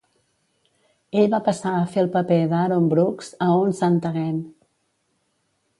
Ell va passar a fer el paper d'Aaron Brooks a "Once and Again".